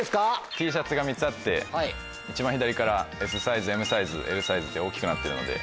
Ｔシャツが３つあって一番左からＳサイズＭサイズＬサイズって大きくなってるので。